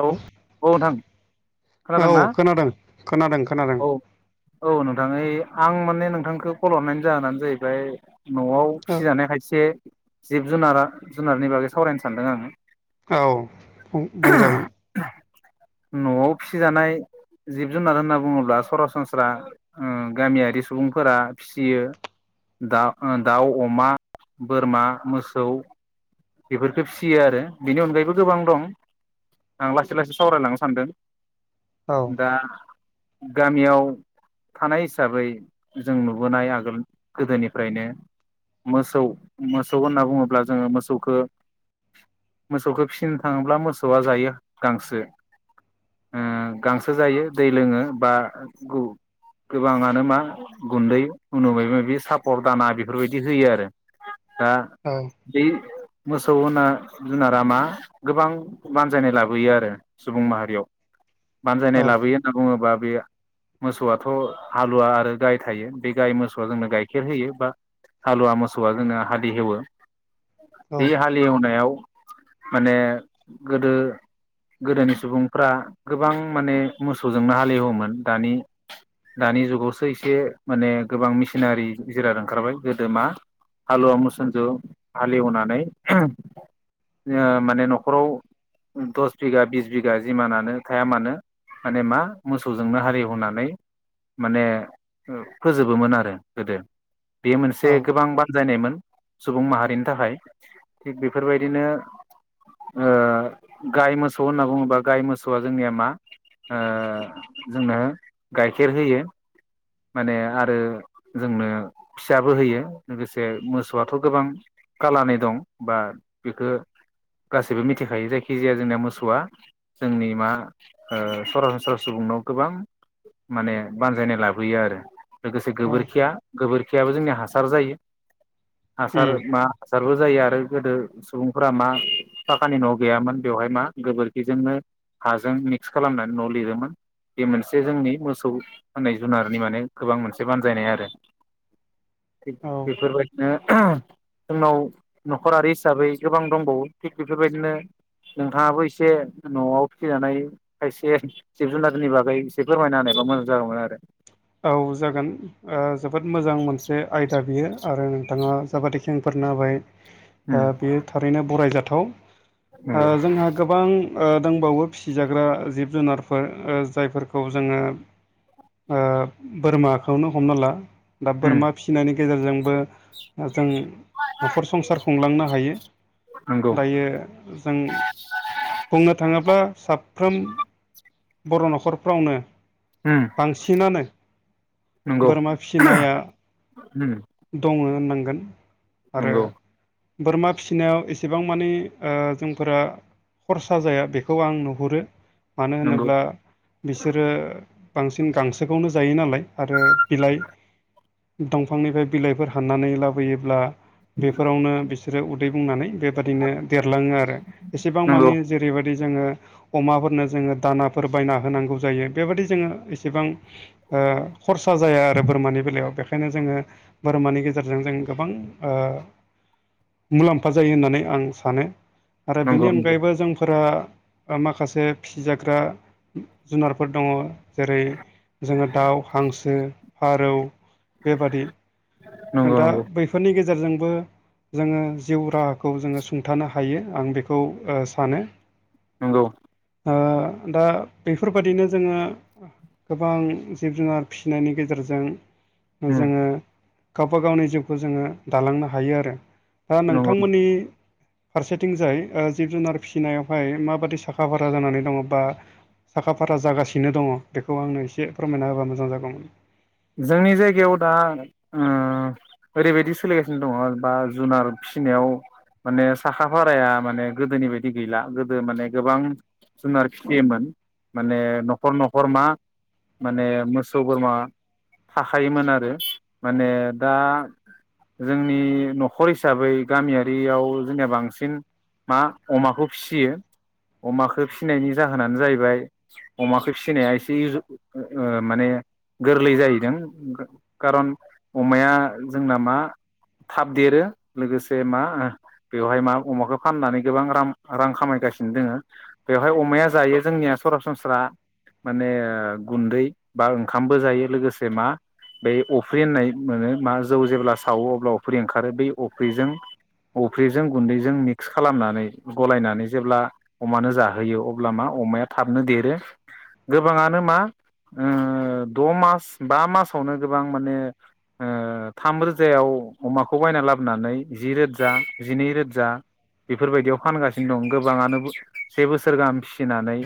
हेल औ औ नोंथां। खोनादोंना औ खोनादों खोनादों खोनादों। औ औ नोंथां आं माने नोंथांखौ खल हरनायनि जाहोनानो जाहैबाय न'आव फिसिजानाय खायसे जिब जुनारा जुनारनि बागै सावरायनो सानदों आं। औ बुंजागोन न'आव फिसिजानाय जिब जुनार होनना बुङोब्ला सरासनस्रा उम गामियारि सुबुंफोरा फिसियो। दाउ दाउ अमा बोरमा मोसौ। बेफोरखौ फिसियो आरो बेनि अनगायैबो गोबां दं। आं लासै लासै सावरायलांनो सानदों औ दा गामियाव थानाय हिसाबै जों नुबोनाय आगोल गोदोनिफ्रायनो मोसौ मोसौ होनना बुङोब्ला जोङो मोसौ मोसौखौ फिसिनो थाङोब्ला मोसौआ जायो गांसो। ओं गांसो जायो दै लोङो बा गु गोबाङानो मा गुन्दै उनावबा माबा माबि सापर दाना बेफोरबायदि होयो आरो। दा औ बे मोसौ होन जुनारा मा गोबां बानजायनाय लाबोयो आरो। सुबुं माहारियाव औ बानजायनाय लाबोयो होनना बुङोबा बे मोसौआथ' हालुवा आरो गाय थायो बे गाय मोसौआ जोंनो गाइखेर होयो बा हालुवा मोसौआ जोङो हालि हेवो। औ बे हालेवनायाव माने गोदो गोदोनि सुबुंफ्रा गोबां माने मोसौजोंनो हालेवोमोन दानि दानि जुगावसो एसे माने गोबां मेसिनारि जिराद ओंखारबाय गोदो मा हालुवा मोसौजों हालेवनानै माने न'खराव दस बिगा बिस बिघा जिमानानो थाया मानो माने मा मोसौजोंनो हालेवनानै माने फोजोबोमोन आरो गोदो। बेयो मोनसे औ गोबां बानजायनायमोन सुबुं माहारिनि थाखाय। थिग बेफोरबायदिनो। गाय मोसौ होनना बुङोबा गाय मोसौआ जोंनिया मा। ओ जोंनो गाइखेर होयो। माने आरो जोंनो फिसाबो होयो लोगोसे मोसौआथ' गोबां कालानाय। दं बा बेखौ गासैबो मिथिखायो जायखिजाया जोंनाया मोसौआ। जोंनि मा सरासनस्रा सुबुंनाव गोबां माने बानजायनाय लाबोयो आरो। लोगोसे औ गोबोरखिया गोबोरखियाबो जोंनिया हासार जायो। हासार उम मा ल' जायो आरो गोदो। सुबुंफोरा मा थाखानि न' गैयामोन बेवहाय मा गोबोरखिजोंनो हाजों मिक्स खालामनानै न' लिरोममोन। बे मोनसे जोंनि मोसौ होनाननाय जुनारनि माने गोबां मोनसे बानजायनाय आरो। [inaudible] [unintelligible] औ। बेफोरबायदिनो जोंनाव। न'खरारि हिसाबै गोबां दंबावो थिग बेफोरबायदिनो नोंथाङाबो एसे न'आव फिसिनानै खायसे जिब जुनारनि बागै एसे फोरमायना होनबा मोजां जागौमोन आरो? औ जागोन ओ जोबोद मोजां मोनसे आयदा बियो आरो नोंथाङा जाबा दिखेंफोरनो होबाय। ओ उम बेयो थारैनो बरायजाथाव जोंहा गोबां दंबावो फिसिजाग्रा जिब जुनारफोर जायफोरखौ जोंङो ओ बोरमाखौनो हमना ला दा बोरमा फिसिनायनि गेजेरजोंबो जों न'खर संसार खुंलांनो हायो। नंगौ दायो जों। बुंनो थाङोब्ला साफ्रोम बर' न'खरफ्रावनो उम बांसिनानो नंगौ बोरमा उम। दंङ होननांगोन आरो नंगौ उम नंगौ बोरमा फिसिनायाव एसेबां माने जोंफोरा खरसा जाया बेखौ आं नुहुरो मानो नंगौ नंगौ होनोब्ला बिसोरो बांसिन गांसोखौनो जायो नालाय आरो बिलाइ दंफांनिफ्राय बिलाइफोर हाननानै लाबोयोब्ला बेफोरावनो बि बिसोरो उदै बुंनानै बेबदिनो देरलाङो आरो एसेबां नंगौ मानिे जेरैबायदि जोङो अमाफोरनो जोङो दानाफोर बायना होनांगौ जायो बेबायदि जोङो एसेबां ओ खरसा जाया आरो बोरमानि बेलायाव बेखायनो जोङो बोरमानि गेजेरजों जों गोबां ओ मुलाम्फा जायो होननानै आं सानो आरो बेनि नंगौ अनगायैबो जोंफोरा माखासे फिसिजाग्रा जुनारफोर दंङ। जेरै जोङो दाउ, हांसो, फारौ बेबादि नंगौ दा नंगौ बैफोरनि गेजेरजोंबो जोङो जिउ राहाखौ जोङो सुंथानो हायो आं बेखौ ओ सानो। नंगौ। दा बेफोरबादिनो जोङो गोबां जिब जुनार फिसिनायनि गेजेरजों उम जोङो गावबा गावनि जिउखौ जोङो दालांनो हायो आरो दा नंगौ नोंथांमोननि फारसेथिंजाय जिब जुनार फिसिनायावहाय माबादि साखा फारा जानानै दङ बा साखा फारा जागासिनो दङ बेखौ आंनो एसे फोरमायना होबा मोजां जागौमोन? जोंनि जायगायाव दा ओ ओरैबायदि सोलिगासिनो दङ बा जुनार फिसिनायाव माने साखा फाराया माने गोदोनि बायदि गैला गोदो माने गोबां जुनार फिथियोमोन माने न'खर न'खर मा माने मोसौ बोरमा थाखायोमोन आरो माने दा जोंनि न'खर हिसाबै गामियारियाव जोंनिया बांसिन मा अमाखौ फियो अमाखौ फिनायनि जाहोनानो जाहैबाय अमाखौ फिसिनाया एसे इउ ओ माने गोरलै जायो। खारन अमाया जोंना मा थाब देरो लोगोसे मा ओ बेवहाय मा अमाखौ फाननानै गोबां रां रां खामायगासिनो दोङो बेवहाय अमाया जायो जोंनिया सरासनस्रा माने गुन्दै बा ओंखामबो जायो लोगोसे मा बै अफ्रि होननाय मोनो मा जौ जेब्ला सावो अब्ला अफ्रि ओंखारो बे अफ्रिजों अफ्रिजों गुन्दैजों मिक्स खालामनानै गलायनानै जेब्ला अमानो जाहोयो अब्ला मा अमाया थाबनो देरो गोबाङानो मा ओ द' मास बा मासावनो गोबां माने ओ थाम रोजायाव अमाखौ बायना लाबोनानै जि रोजा जिनै रोजा बेफोरबायदियाव फानगासिनो दं गोबाङानो से बोसोर गाहाम फिसिनानै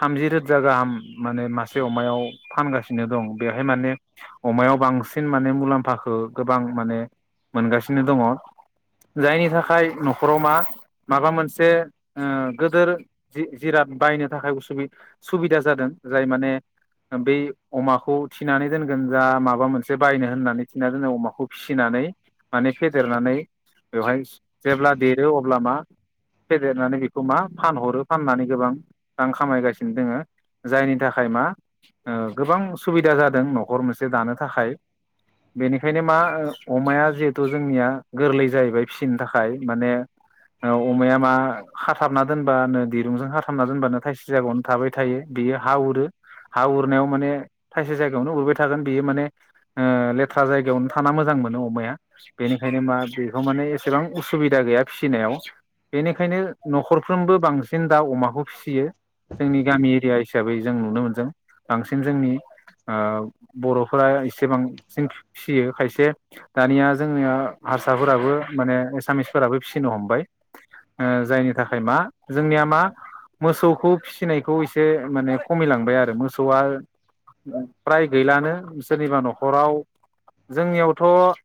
थामजि रोजा गाहाम माने मासे अमायाव फानगासिनो दं बे बेहाय माने अमायाव बांसिन माने मुलाम्फाखौ गोबां माने मोनगासिनो दङ जायनि थाखाय न'खराव मा माबा मोनसे ओ गोदोर जि-जिराद बायनो थाखाय उसुबि सुबिदा जादों जाय माने बे अमाखौ फिनानै दोनगोन जा माबा मोनसे बायनो होननानै थिनानै दोनो अमाखौ फिसिनानै माने फेदेरनानै बेवहाय जेब्ला देरो अब्ला मा फेदेरनानै बेखौ मा फानहरो फाननानै गोबां रां खामायगासिनो दङ जायनि थाखाय मा गोबां सुबिदा जादों न'खर मोनसे दानो थाखाय बेनिखायनो मा अमाया जिहेथु जोंनिया गोरलै जाहैबाय फिसिनो थाखाय माने अमाया मा खाथाबना दोनबानो दिरुंजों खाथाबना दोनबानो थाइसे जागावनो थाबाय थायो बियो हा उरो हा उरनायाव माने थायसे जायगायावनो उरबाय थागोन बियो माने ओ लेथ्रा जायगायावनो थाना मोजां मोनो अमाया बेनिखायनो मा बेखौ माने एसेबां उसुबिदा गैया फिसिनायाव बेनिखायनो न'खरफ्रोमबो बांसिन दा अमाखौ फिसियो जोंनि गामि एरिया हिसाबै जों नुनो मोनदों बांसिन जोंनि ओ बर'फोरा एसे बांसिन फिसियो खायसे दानिया जोंनिया हारसाफोराबो माने एसामिसफोराबो फिसिनो हमबाय जायनि थाखाय मा जोंनिया मा मोसौखौ फिसिनायखौ एसे माने खमिलांबाय आरो मोसौआ फ्राय गैलानो सोरनिबा न'खराव जोंनियावथ'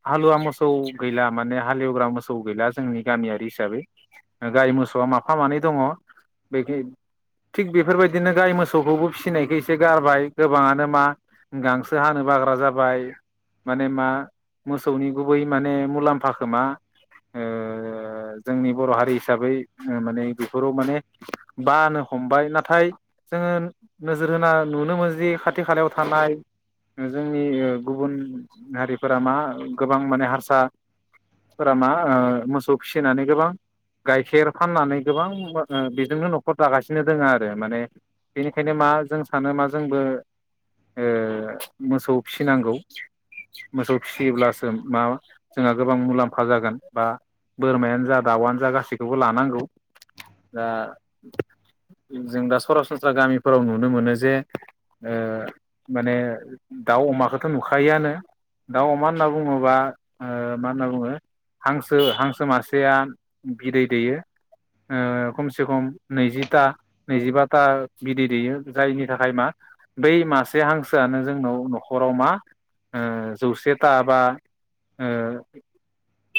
हालुवा मोसौ गैला माने हालेवग्रा मोसौ गैला जोंनि गामियारि हिसाबै गाय मोसौआ माफा मानै दङ बेखि थिग बेफोरबायदिनो गाय मोसौखौबो फिसिनायखौ एसे गारबाय गोबाङानो। मा गांसो हानो बाग्रा जाबाय। माने मा मोसौनि गुबै माने मुलाम्फाखौ मा ओ ओ जोंनि बर' हारि हिसाबै माने बेफोराव माने बानो हमबाय नाथाय जोङो नोजोर होना नुनो मोनोदि खाथि खालायाव थानाय जोंनि गुबुन हारिफोरा मा गोबां माने हारसा फोरा मा ओ मोसौ फिसिनानै गोबां गाइखेर फाननानै गोबां ओ बेजोंनो न'खर दागासिनो दङ आरो माने बेनिखायनो मा जों सानो मा जोंबो ओ मोसौ फिनांगौ मोसौ फिसियोब्लासो मा जोंहा गोबां मुलाम्फा जागोन बा बोरमायानो जा दाउआनो जा गासैखौबो लानांगौ दा जों दा सरासनस्रा गामिफोराव नुनो मोनो जे माने दाउ अमाखौथ' नुखायोआनो दाउ अमा होनना बुङोबा मा होनना बुङो हांसो हांसो मासेया बिदै दैयो खमसे खम नैजिथा नैजिबाथा बिदै दैयो जायनि थाखाय मा बै मासे हांसोआनो जोंनाव न'खराव मा ओ जौसेथा बा ओ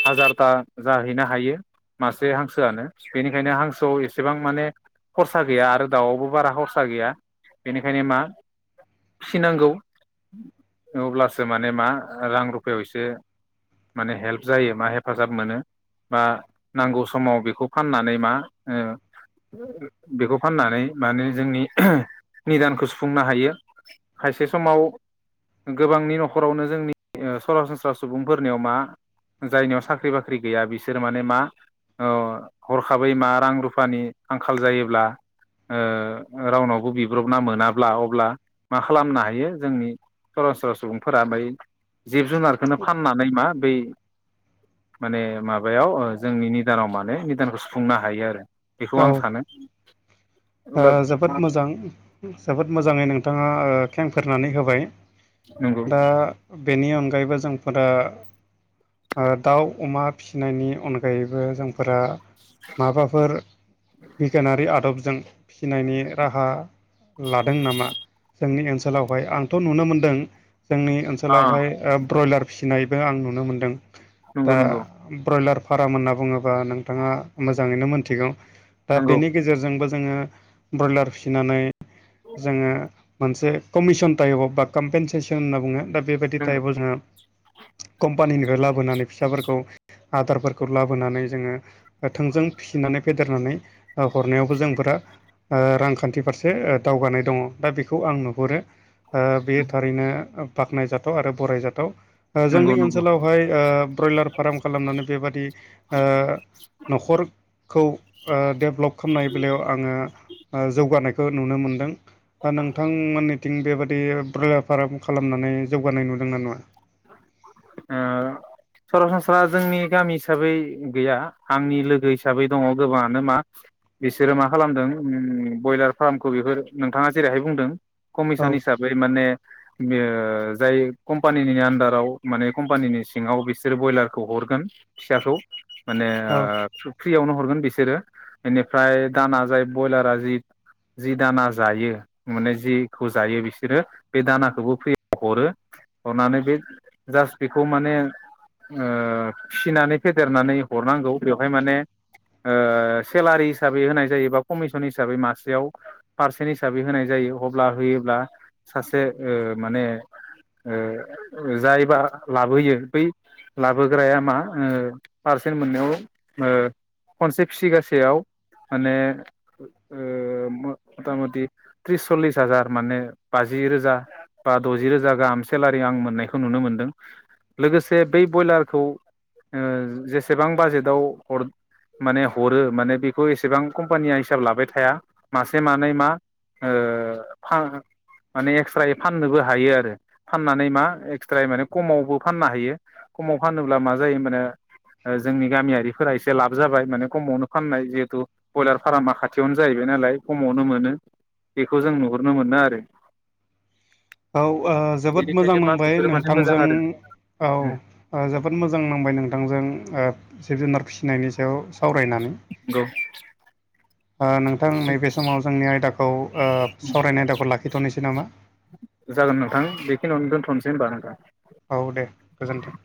हाजारथा जाहैनो हायो मासे हांसोआनो बेनिखायनो हांसोआव एसेबां माने खरसा गैया आरो दाउआवबो बारा खरसा गैया बेनिखायनो मा फिनांगौ अब्लासो माने मा रां रुफायाव एसे माने हेल्प जायो मा हेफाजाब मोनो बा नांगौ समाव बेखौ फाननानै मा बेखौ फाननानै माने जोंनि निदानखौ सु फुंनो हायो खायसे समाव गोबांनि न'खरावनो जोंनि सरासनस्रा सुबुंफोरनियाव मा जायनियाव साख्रि बाख्रि गैया बिसोर माने मा हरखाबै मा रां रुफानि आंखाल जायोब्ला रावनावबो बिब्रबना मोनाब्ला ब्ला अब्ला मा खालामनो हायो जोंनि सरासनस्रा सुबुंफोरा बै जिब जुनार खौनो फाननानै मा बै माने माबायाव जोंनि निदानाव माने निदानखौ सुफुंनो हायो आरो बेखौ औ आं सानो ओ अब्ला जोबोद मोजां जोबोद मोजाङै नोंथाङा ओ खें फेरनानै होबाय नंगौ दा बेनि अनगायैबो जोंफोरा ओ दाउ अमा फिसिनायनि अनगायैबो जोंफोरा माबाफोर बिगियानारि आदबजों फिसिनायनि राहा लादों नामा जोंनि ओनसोलावहाय आंथ' नुनो मोनदों जोंनि ओन आ ओनसोलावहाय ओ ब्रयलार फिसिनायबो आं नुनो मोनदों नंगौ दा नंगौ ब्रयलार फाराम होनना बुङोबा नोंथाङा मोजाङैनो मोनथिगौ दा नंगौ बेनि गेजेरजोंबो जोङो ब्रयलार फिसिनानै जोङो मोनसे कमिसन तायब बा कमपेनसेसन होनना बुङो दा बेबायदि नंगौ तायब आव जोंङो कम्पानिनिफ्राय लाबोनानै फिसाफोरखौ आदारफोरखौ लाबोनानै जोङो थोंजों फिसिनानै फेदेरनानै ओ हरनायावबो जोंफोरा ओ रांखान्थि फारसे ओ दावगानाय दङ दा बेखौ आं नुहुरो ओ बेयो थारैनो ओ बाख्नाय जाथाव आरो बरायजाथाव ओ नंगौ जोंनि नंगौ ओनसोलाव बेहाय ओ ब्रयलार फार्म खालामनानै बेबादि ओ न'खर खौ ओ डेभ्लप खालामनाय बेलायाव आङो जौगानायखौ नुनो मोनदों ओ नोंथांमोननिथिं बेबादि ब्रयलार फार्म खालामनानै जौगानाय नुदोंना नङा? ओ सरासनस्रा जोंनि गामि हिसाबै गैया आंनि लोगो हिसाबै दङ गोबाङानो मा बिसोरो मा खालामदों उम ब्रयलार फार्मखौ बेफोर नोंथाङा जेरैहाय बुंदों औ कमिसन हिसाबै माने जाय कम्पानि कम्पानिनि आन्दाराव माने कम्पानिनि सिङाव बिसोरो ब्रयलारखौ हरगोन फिसाखौ माने औ फ्रियावनो हरगोन बिसोरो बेनिफ्राय दाना जाय ब्रयलारा जि जि दाना जायो माने जिखौ जायो बिसोरो बे दानाखौबो फ्रि हरो हरनानै बे जास्ट बेखौ माने ओ फिसिनानै फेदेरनानै हरनांगौ बेवहाय माने ओ सेलारि हिसाबै होनाय जायो बा कमिसन हिसाबै मासेयाव पारसेन्ट हिसाबै होनाय जायो अब्ला होयोब्ला सासे ओ माने ओ जायबा लाबोयो बै लाबोग्राया मा ओ पारसेन्ट मोननायाव ओ खनसे फिसिगासेयाव माने ओ मथा मथि त्रिस सल्लिस हाजार माने बाजि रोजा बा द'जि रोजा गाहाम सेलारि आं मोननायखौ नुनो मोनदों। लोगोसे बै ब्रयलारखौ ओ जेसेबां बाजेटाव हर माने हरो माने बेखौ एसेबां कम्पानिया हिसाब लाबाय थाया मासे मानै मा ओ पा माने एक्सत्रायै फाननोबो हायो आरो। फाननानै मा एक्सत्रायै माने खमावबो फाननो हायो खमाव फानोब्ला मा जायो ओमबाना ओ जोंनि गामियारिफोरा एसे लाब जाबाय माने खमावनो फाननाय जिहेथु ब्रयलार फारामा खाथियावनो जाहैबाय नालाय खमावनो मोनो बेखौ जों नुहुरनो मोनो आरो। औ ओ जोबोद मोजां बेनिखायनो मा नांबाय बेफोरो माने मोजां नोंथांजों आरो औ ओ जोबोद मोजां नांबाय नोंथांजों ओ जिब जुनार फिसिनायनि सायाव सावरायनानै नोंगौ [inaudible] ओ नोंथां नैबे समाव जोंनि आयदाखौ ओ सावरायनाय आयदाखौ लाखिथ'नोसै नामा? जागोन नोंथां बेखिनियावनो दोनथ'नोसै होनबा नोंथां। औ दे गोजोन्थों।